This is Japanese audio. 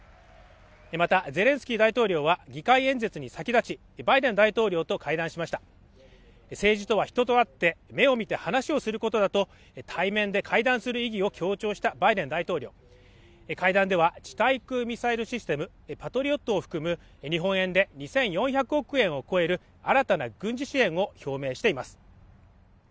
またゼレンスキー大統領は議会演説に先立ちバイデン大統領と会談しました政治とは人と会って目を見て話をすることだと対面で会談する意義を強調したバイデン大統領会談では地対空ミサイルシステムパトリオットを含む日本円で２４００億円を超える新たな軍事支援を表明しています